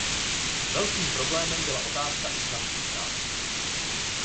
Velkým problémem byla otázka občanských práv.